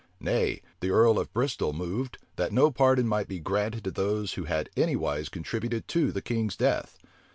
Nay, the earl of Bristol moved, that no pardon might be granted to those who had anywise contributed to the king's death.